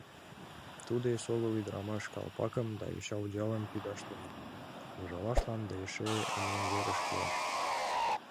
Тудо эсогыл ӱдырамаш калпакым да йоча одеялым пидаш тунемын, ужалашлан да эше эмлымверыш пуаш.